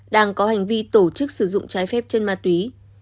đang có hành vi tổ chức sử dụng trái phép chân ma túy